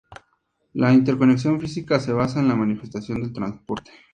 La interconexión física se basa en la masificación del transporte.